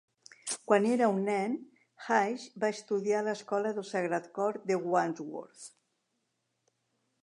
Quan era un nen, Hayes va estudiar a l'escola del Sagrat Cor de Wandsworth.